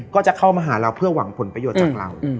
ก็จะเข้ามาหาเราเพื่อหวังผลประโยชน์จากเรา